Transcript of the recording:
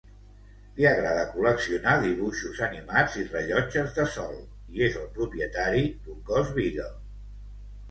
Li agrada col·leccionar dibuixos animats i rellotges de sol, i és el propietari d'un gos Beagle.